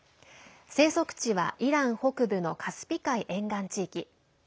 生息地はイラン北部のカスピ海沿岸地域。